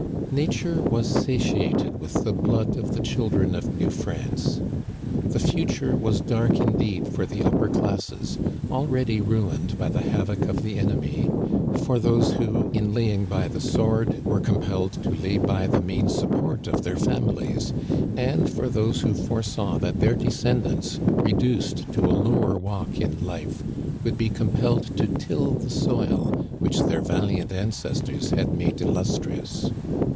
Nature was satiated with the blood of the children of New France. The future was dark indeed for the upper classes, already ruined by the havoc of the enemy, for those who, in laying by the sword, were compelled to lay by the main support of their families, and for those who foresaw that their descendants, reduced to a lower walk in life, would be compelled to till the soil which their valiant ancestors had made illustrious.